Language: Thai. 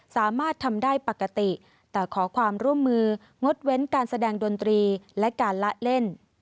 สามารถทำได้ปกติแต่ขอความร่วมมืองดเว้นการแสดงดนตรีและการละเล่น